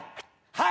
はい！